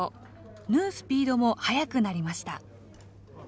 縫うスピードも速くなりました。